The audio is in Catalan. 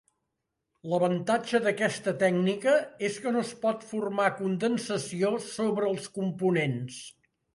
L'avantatge d'aquesta tècnica és que no es pot formar condensació sobre els components.